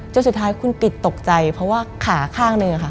จนสุดท้ายคุณปิดตกใจเพราะว่าขาข้างหนึ่งค่ะ